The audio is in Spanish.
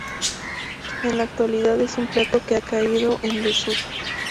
En la actualidad es un plato que ha caído en desuso.